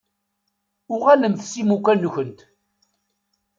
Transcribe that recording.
Uɣalemt s imukan-nkent.